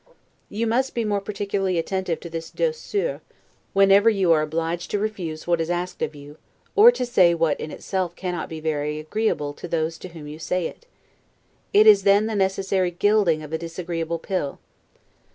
You must be more particularly attentive to this 'douceur', whenever you are obliged to refuse what is asked of you, or to say what in itself cannot be very agreeable to those to whom you say it. It is then the necessary gilding of a disagreeable pill.